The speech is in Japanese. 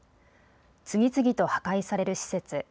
次々と破壊される施設。